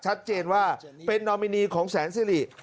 ชัดเจนว่าเป็นนอมินีของแสนสิริ